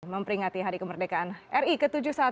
memperingati hari kemerdekaan ri ke tujuh puluh satu